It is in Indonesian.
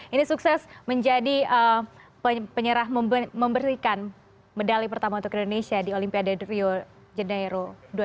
ini sukses menjadi penyerah memberikan medali pertama untuk indonesia di olimpiade rio janeiro dua ribu dua puluh